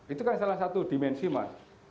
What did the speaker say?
itu kan salah satu dimensi mas